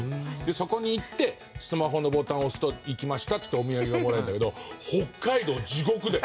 そこに行ってスマホのボタンを押すと行きましたっていっておみやげがもらえるんだけど北海道地獄で。